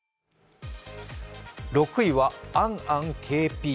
６位はａｎａｎＫＰ。